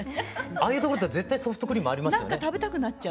ああいうところって絶対ソフトクリームありますよね。